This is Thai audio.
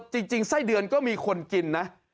จริงไส้เดือนก็มีคนกินนะ